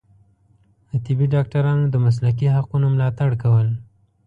د طبي ډاکټرانو د مسلکي حقونو ملاتړ کول